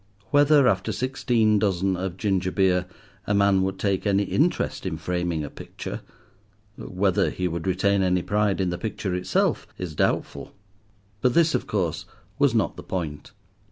Whether, after sixteen dozen of ginger beer, a man would take any interest in framing a picture—whether he would retain any pride in the picture itself, is doubtful. But this, of course, was not the point.